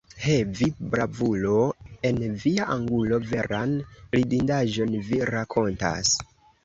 He, vi, bravulo en via angulo, veran ridindaĵon vi rakontas!